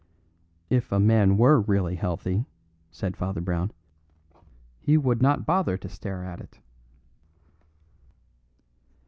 "If a man were really healthy," said Father Brown, "he would not bother to stare at it."